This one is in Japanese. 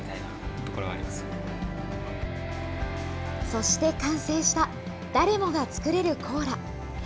そして、完成した誰もが作れるコーラ。